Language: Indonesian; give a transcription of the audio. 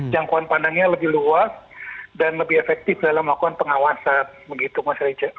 jangkauan pandangnya lebih luas dan lebih efektif dalam melakukan pengawasan begitu mas reza